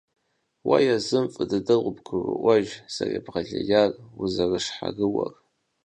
Уэ езым фӏы дыдэу къыбгуроӏуэж зэребгъэлейр, узэрыщхьэрыуэр.